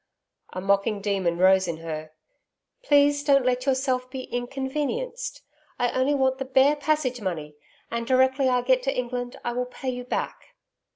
A mocking demon rose in her. 'Please don't let yourself be inconvenienced. I only want the bare passage money. And directly I get to England I will pay you back.'